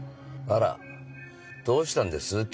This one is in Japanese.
あらどうしたんです？